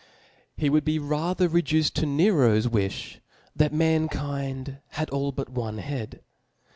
He would be rather reduced to Nero's wi(h, that mankind had all but one head.